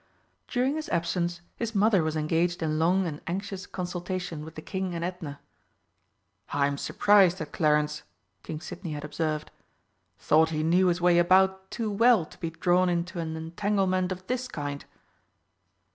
During his absence his Mother was engaged in long and anxious consultation with the King and Edna. "I'm surprised at Clarence," King Sidney had observed, "thought he knew his way about too well to be drawn into an entanglement of this kind!"